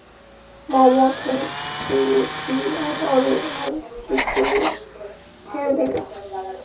Momo, Thiri, Eve আর Oliver school ছেড়ে দিল।